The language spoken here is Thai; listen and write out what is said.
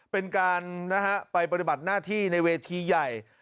เป็นการไปปฏิบัติหน้าที่ในเวทีใหญ่